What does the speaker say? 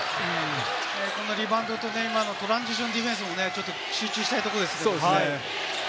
このリバウンドとトランジションディフェンスも集中したいところですね。